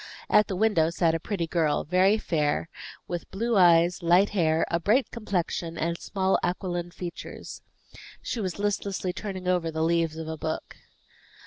At the window sat a pretty girl, very fair, with blue eyes, light hair, a bright complexion, and small aquiline features. She was listlessly turning over the leaves of a book.